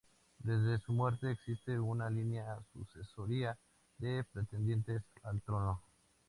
Desde su muerte, existe una línea sucesoria de pretendientes al trono.